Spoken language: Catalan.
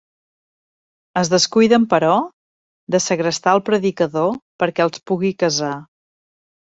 Es descuiden, però, de segrestar el predicador perquè els pugui casar.